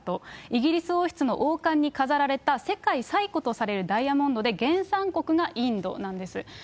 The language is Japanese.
イギリス王室の王冠に飾られた世界最古とされるダイヤモンドで原産国がインドなんです。